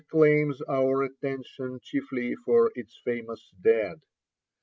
Meshed claims our attention chiefly for its famous dead.